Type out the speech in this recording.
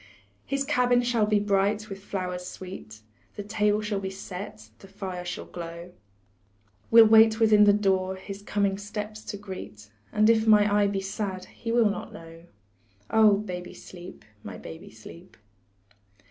His cabin shall be bright with flowers sweet, The table shall be set, the fire shall glow, We'll wait within the door, his coming steps to greet, And if my eye be sad, he will not know Oh, baby, sleep, my baby, sleep.